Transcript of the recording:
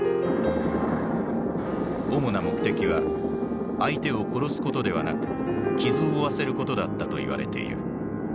主な目的は相手を殺すことではなく傷を負わせることだったといわれている。